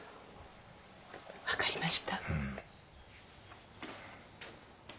分かりました